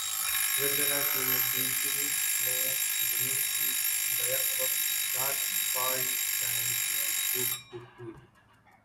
زلزلی کی نتیجی میں زمین کی بیک وقت چار فالٹ لائنز میں ٹوٹ پھوٹ ہوئی۔